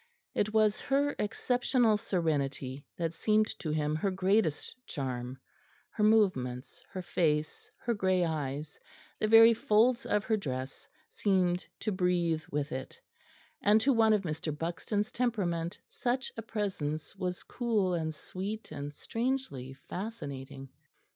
It was her exceptional serenity that seemed to him her greatest charm; her movements, her face, her grey eyes, the very folds of her dress seemed to breathe with it; and to one of Mr. Buxton's temperament such a presence was cool and sweet and strangely fascinating.